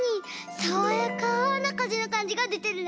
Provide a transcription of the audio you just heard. さわやかなかぜのかんじがでてるね。